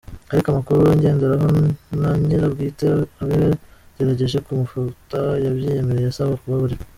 Ariko amakuru ngenderaho na nyir’ubwite abagerageje ku mufata yabyiyemereye asaba kubabarirwa.